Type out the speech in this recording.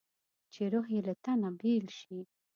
چې روح یې له تنه بېل شي.